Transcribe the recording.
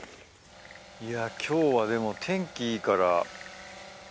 いや今日はでも天気いいから。